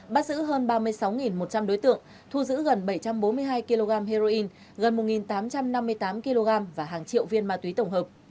bắt giữ hơn ba mươi sáu một trăm linh đối tượng thu giữ gần bảy trăm bốn mươi hai kg heroin gần một tám trăm năm mươi tám kg và hàng triệu viên ma túy tổng hợp